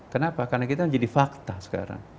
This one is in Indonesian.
kenapa karena kita menjadi fakta sekarang